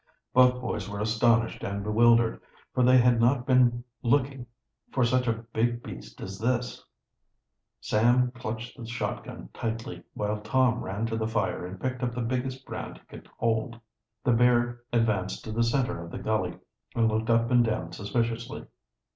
Both boys were astonished and bewildered, for they had not been looking for such a big beast as this. Sam clutched the shotgun tightly, while Tom ran to the fire and picked up the biggest brand he could hold. The bear advanced to the center of the gully and looked up and down suspiciously.